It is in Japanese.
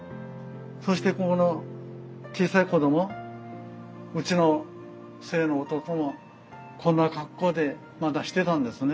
そしてここの小さい子供うちの末の弟もこんな格好でまだしてたんですね。